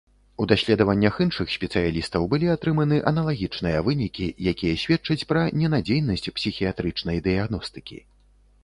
У даследваннях іншых спецыялістаў былі атрыманы аналагічныя вынікі, якія сведчаць пра ненадзейнасць псіхіятрычнай дыягностыкі.